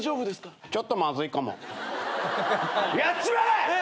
やっちまえ！